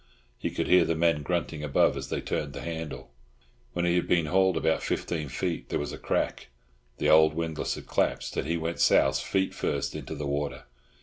He could hear the men grunting above as they turned the handle. When he had been hauled about fifteen feet there was a crack; the old windlass had collapsed, and he went souse, feet first, into the water.